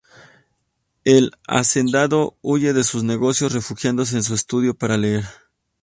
El hacendado huye de sus negocios refugiándose en su estudio para leer.